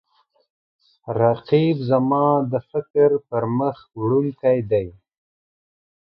رقیب زما د فکر پرمخ وړونکی دی